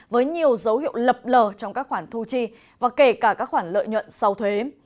với nhiều dấu hiệu lập lờ trong các khoản thu chi và kể cả các khoản lợi nhuận sau thuế